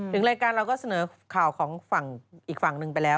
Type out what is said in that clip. ถึงรายการเราก็เสนอข่าวของฝั่งอีกฝั่งหนึ่งไปแล้ว